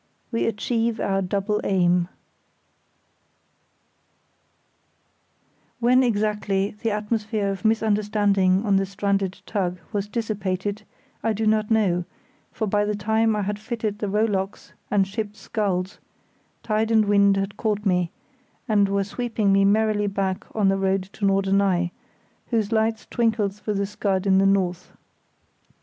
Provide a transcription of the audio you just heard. We Achieve our Double Aim When, exactly, the atmosphere of misunderstanding on the stranded tug was dissipated, I do not know, for by the time I had fitted the rowlocks and shipped sculls, tide and wind had caught me, and were sweeping me merrily back on the road to Norderney, whose lights twinkled through the scud in the north.